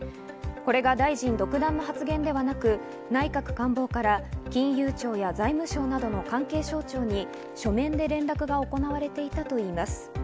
これが大臣独断の発言ではなく内閣官房から金融庁や財務省などの関係省庁に書面で連絡が行われていたといいます。